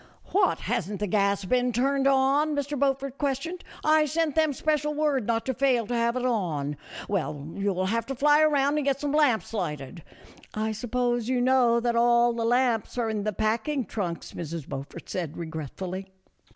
" What, has n't the gas been turned on ?" Mr. Beaufort questioned ;" I sent them special word not to fail to have it on. Well, you will have to fly around and get some lamps lighted." "I suppose you know that all the lamps are in the packing trunks," Mrs Beaufort said regretfully.